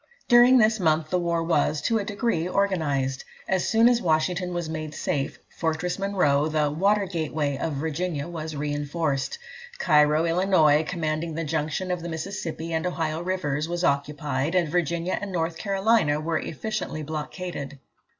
During this month the war was, to a degree, organised. As soon as Washington was made safe, Fortress Monroe, the "water gateway" of Virginia, was reinforced. Cairo, Illinois, commanding the junction of the Mississippi and Ohio rivers, was occupied, and Virginia and North Carolina were efficiently blockaded.